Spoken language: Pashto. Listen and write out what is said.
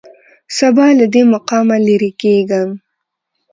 سبا له دې مقامه لېرې کېږم.